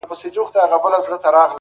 گلي پر ملا باندي راماته نسې.